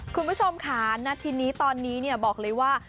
คุณผู้ชมค่ะณทีนี้ตอนนี้บอกเลยว่า